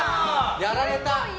やられた！